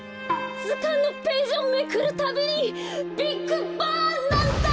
ずかんのページをめくるたびにビッグバンなんだ！